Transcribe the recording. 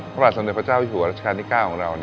พระบาทสมเด็จพระเจ้าอยู่หัวรัชกาลที่๙ของเรา